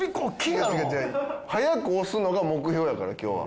早く押すのが目標やから今日は。